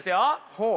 ほう。